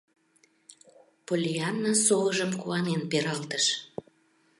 Поллианна совыжым куанен пералтыш.